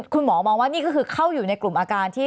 คุณหมอมองว่านี่ก็คือเข้าอยู่ในกลุ่มอาการที่